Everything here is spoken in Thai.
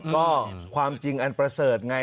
ก็ความจริงอันประเสริฐไง